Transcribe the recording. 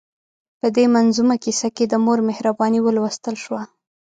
په دې منظومه کیسه کې د مور مهرباني ولوستل شوه.